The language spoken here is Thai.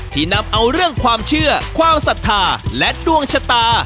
นำเอาเรื่องความเชื่อความศรัทธาและดวงชะตา